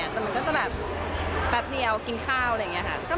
แต่มันก็จะแบบแป๊บเดียวกินข้าวอะไรอย่างนี้ค่ะ